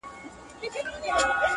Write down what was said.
دا چې دوی خپل پلویان